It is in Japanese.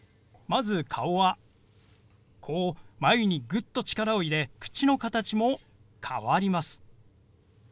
まず顔はこう眉にぐっと力を入れ口の形も変わります。